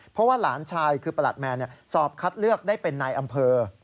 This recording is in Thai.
เพราะว่าหลานชายคือประหลัดแมนสอบคัดเลือกได้เป็นนายอำเภอ